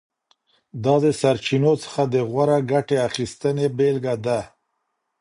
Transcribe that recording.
دا د سرچینو څخه د غوره ګټې اخیستنې بېلګه ده.